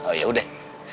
oh ya udah